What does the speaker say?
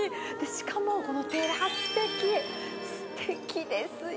しかもこのテラス席、すてきですよ。